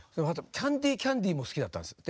「キャンディキャンディ」も好きだったんです。